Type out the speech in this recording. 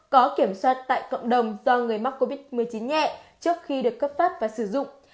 có kiểm soát tại cộng đồng do người mắc covid một mươi chín nhẹ trước khi được cấp phát và sử dụng